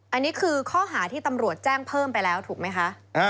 อันนี้คือข้อหาที่ตำรวจแจ้งเพิ่มไปแล้วถูกไหมคะ